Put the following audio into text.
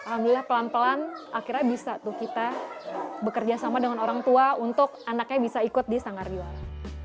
alhamdulillah pelan pelan akhirnya bisa tuh kita bekerja sama dengan orang tua untuk anaknya bisa ikut di sanggar juara